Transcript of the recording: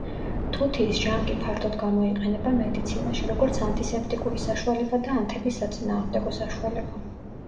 თუთიის ჟანგი ფართოდ გამოიყენება მედიცინაში როგორც ანტისეპტიკური საშუალება და ანთების საწინააღმდეგო საშუალება.